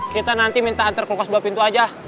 kita nanti minta antar kulkas dua pintu aja